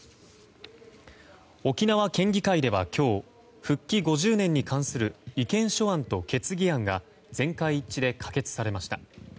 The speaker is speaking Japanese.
沖縄県議会では今日復帰５０年に関する意見書案と決議案が全会一致で可決されました。